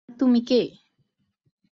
আর তুমি কে?